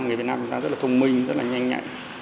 người việt nam là người ta rất là thông minh rất là nhanh nhạy